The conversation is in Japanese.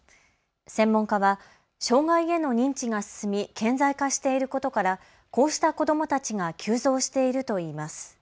専門家は障害への認知が進み顕在化していることからこうした子どもたちが急増しているといいます。